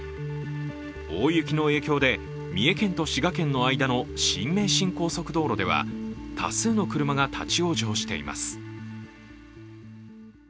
大雪の影響で、三重県と滋賀県の間の新名神高速道路では多数の車が立往生しています。